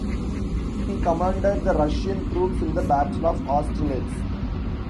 He commanded the Russian troops in the Battle of Austerlitz.